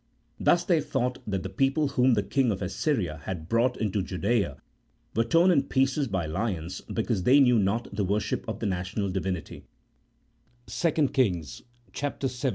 Thus they thought that the people whom the king of Assyria had brought into Judsea were torn in pieces by lions because they knew not the worship of the National Divinity (2 Kings xvii.